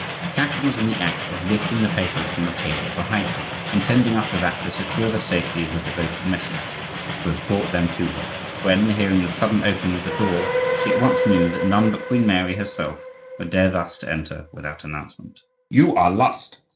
Catherine was in the act of lifting the papers from the table to hide them, intending after that to secure the safety of the devoted messenger who had brought them to her, when, hearing the sudden opening of the door, she at once knew that none but Queen Mary herself would dare thus to enter without announcement. "You are lost!"